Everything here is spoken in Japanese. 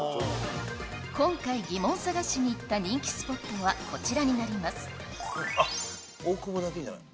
今回ギモン探しに行った人気スポットはこちらになります大久保だけじゃない。